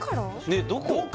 ねっどこ？